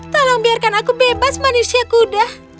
tolong biarkan aku bebas manusia kuda